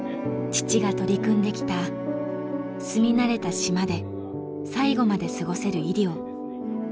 父が取り組んできた「住み慣れた島で最期まで過ごせる医療」。